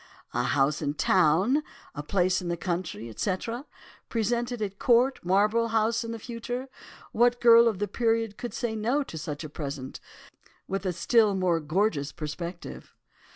"'A house in town—a place in the country, etc., presented at Court, Marlborough House in the future—what girl of the period could say no to such a present—with a still more gorgeous perspective?